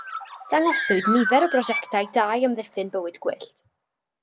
Dangoswyd nifer o brojectau da i amddiffyn bywyd gwyllt.